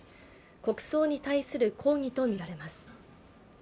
国葬に対する抗議とみられます。